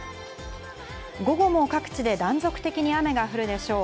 午後も各地で断続的に雨が降るでしょう。